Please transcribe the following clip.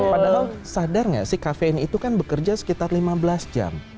padahal sadar gak sih kafein itu kan bekerja sekitar lima belas jam